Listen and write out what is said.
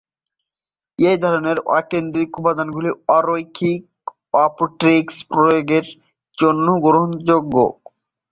এই ধরনের অকেন্দ্রিক উপাদানগুলি অরৈখিক অপটিক্সে প্রয়োগের জন্য আগ্রহজনক।